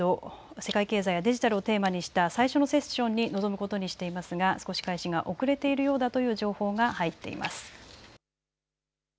世界経済やデジタルをテーマにした最初のセッションに臨むことにしていますが少し開始が遅れているようだという情報が入っています。